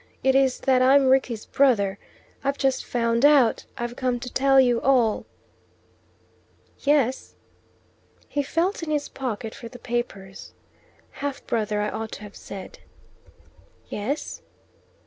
It is that I'm Rickie's brother. I've just found out. I've come to tell you all." "Yes?" He felt in his pocket for the papers. "Half brother I ought to have said." "Yes?"